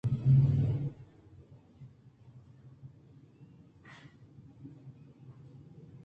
داں آپ ءَ نہ گندئے